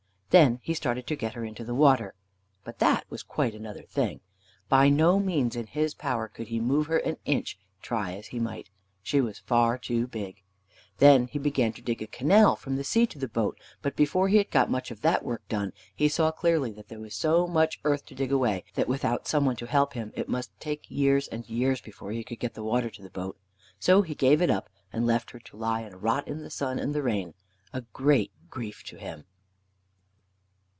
Then he started to get her into the water. But that was quite another thing. By no means in his power could he move her an inch, try as he might. She was far too big. Then he began to dig a canal from the sea to the boat; but before he had got much of that work done, he saw clearly that there was so much earth to dig away, that, without some one to help him, it must take years and years before he could get the water to the boat. So he gave it up, and left her to lie and rot in the sun and the rain a great grief to him.